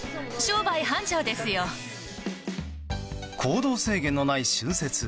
行動制限のない春節。